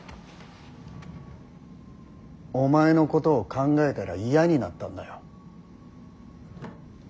お前のことを考えたら嫌になったんだよ。